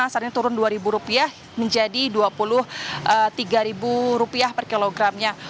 saat ini turun rp dua menjadi rp dua puluh tiga per kilogramnya